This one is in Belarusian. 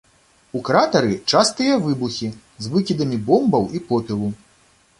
У кратары частыя выбухі з выкідамі бомбаў і попелу.